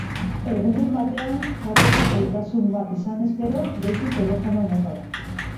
Egunen batean joateko zailtasunen bat izanez gero, deitu telefono honetara.